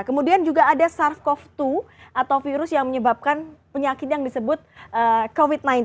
kemudian juga ada sars cov dua atau virus yang menyebabkan penyakit yang disebut covid sembilan belas